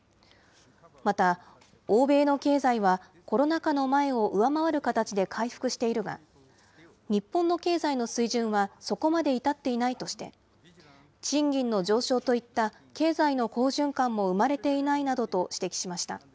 また、欧米の経済はコロナ禍の前を上回る形で回復しているが、日本の経済の水準はそこまで至っていないとして、賃金の上昇といった経済の好循環も生まれていないなどと指摘しました。